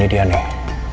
ini dia nih